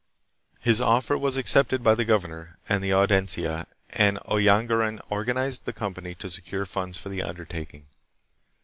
His offer was accepted by the governor and the Audi encia, and Oyanguran organized a company to secure funds for the undertaking.